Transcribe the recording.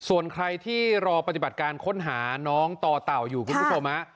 ส่วนใครที่รอปฏิบัติการค้นหาน้องต่อเต่าอยู่คุณผู้ชม